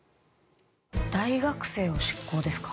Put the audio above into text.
大学生を執行ですか？